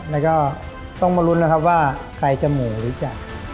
แล้วก็ต้องมาลุ้นนะครับว่าใครจะหมู่หรือจะ